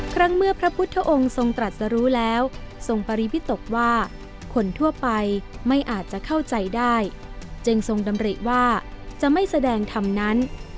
ครั้งเมื่อพระพุทธองค์ทรงตรัสรู้แล้วทรงปริพิตกว่าคนทั่วไปไม่อาจจะเข้าใจได้จึงทรงดำริว่าจะไม่แสดงธรรมนั้น